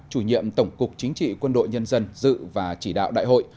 chủ nhiệm tổng cục chính trị quân đội nhân dân dự và chỉ đạo đại hội